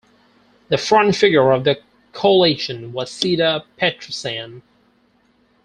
The front figure of the coalition was Seda Petrosyan.